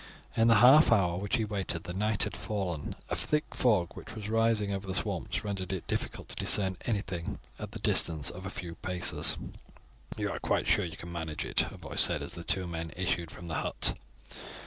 In the half hour which he waited the night had fallen, and a thick fog which was rising over the swamps rendered it difficult to discern anything at the distance of a few paces. "You are quite sure that you can manage it?" a voice said as the two men issued from the hut.